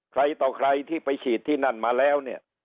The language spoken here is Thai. ใครต่อใครที่ไปฉีดที่นั่นมาแล้วเนี่ย